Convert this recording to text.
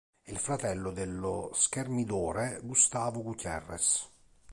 È il fratello dello schermidore Gustavo Gutiérrez.